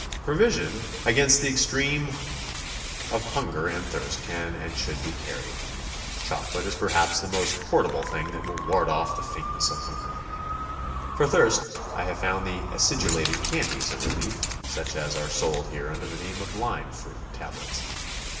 Provision against the extreme of 'hunger and tliirst can and should be carried. Chocolate is perhaps the mo'st por table thing that will ward off the faintn^^ss 'of hunger. For thirst I have found the acidulated candies a relief, such as are sold here undei the name of lime fruit tablets.